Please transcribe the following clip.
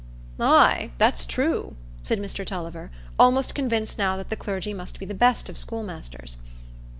"Ay, that's true," said Mr Tulliver, almost convinced now that the clergy must be the best of schoolmasters.